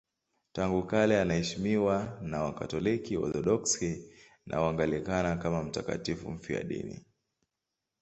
Tangu kale anaheshimiwa na Wakatoliki, Waorthodoksi na Waanglikana kama mtakatifu mfiadini.